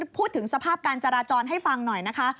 พูดถึงสภาพการจราจรให้ฟังหน่อยนะคะ